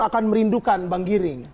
akan merindukan bang giring